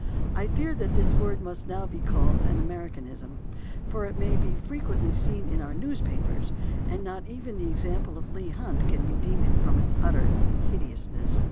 I fear that this word must now be called an Americanism, for it may be frequently seen in our newspapers, and not even the example of Leigh Hunt can redeem it from its utter hideousness.